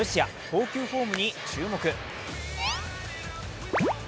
投球フォームに注目。